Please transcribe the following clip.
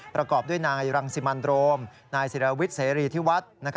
ประกอบด้วยนายรังสิมันโรมนายศิรวิทย์เสรีที่วัด